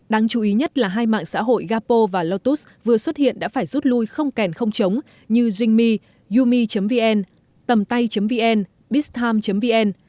đáng chú ý nhất là hai mạng xã hội gapo và lotus vừa xuất hiện đã phải rút lui không kèn không chống như zingme yumi vn tầmtay vn biztime vn